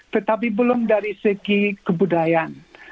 tetapi belum dari segi kebudayaan